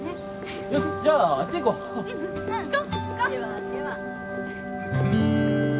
よしじゃああっち行こうん行こ！